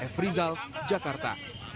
f rizal jakarta